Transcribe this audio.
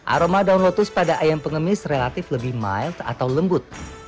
aroma daun lotus pada ayam pengemis relatif lebih mild atau lembut